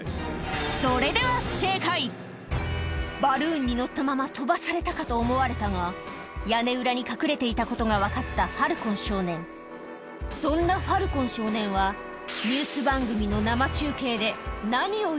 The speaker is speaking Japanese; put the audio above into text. それではバルーンに乗ったまま飛ばされたかと思われたが屋根裏に隠れていたことが分かったファルコン少年そんなファルコン少年はこれは。えっ？